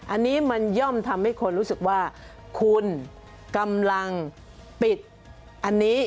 อันนี้มันย่อมทำให้คนรู้สึกว่าคุณกำลังปิดอันนี้